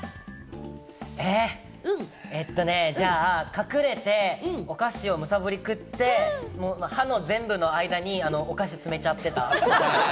隠れて、お菓子をむさぼり食って、歯の全部の間にお菓子を詰めちゃってた。